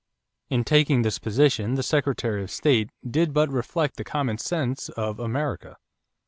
In taking this position, the Secretary of State did but reflect the common sense of America.